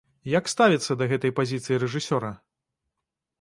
Як ставіцца да гэтай пазіцыі рэжысёра?